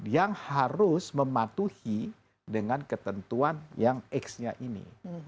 yang harus mematuhi dengan ketentuan yang x nya ini